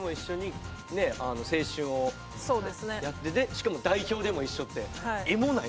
しかも代表でも一緒ってエモない？